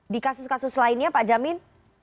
di kasus kasus lainnya pak jamin